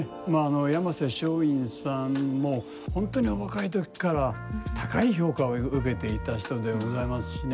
山勢松韻さんも本当にお若い時から高い評価を受けていた人でございますしね